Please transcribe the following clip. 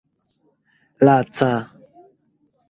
laca